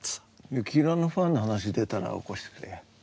幸宏のファンの話出たら起こしてくれよ。